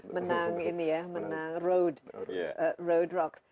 menang ini ya menang road rocks